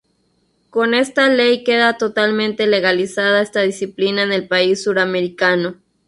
Con esta ley queda totalmente legalizada esta disciplina en el país suramericano.